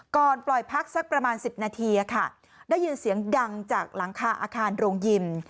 ก่อนปล่อยพักสักประมาณ๑๐นาทีได้ยินเสียงดังจากหลังคาอาคารโรงยิม